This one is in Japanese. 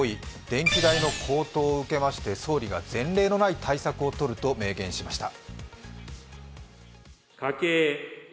電気代の高騰を受けまして、総理が前例のない対策を取ると明言しました。